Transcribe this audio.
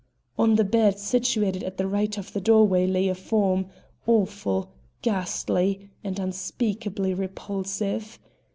On the bed situated at the right of the doorway lay a form awful, ghastly, and unspeakably repulsive.